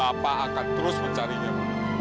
bapak akan terus mencarinya